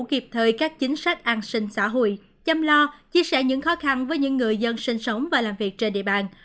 kịp thời các chính sách an sinh xã hội chăm lo chia sẻ những khó khăn với những người dân sinh sống và làm việc trên địa bàn